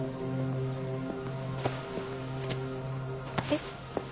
えっ？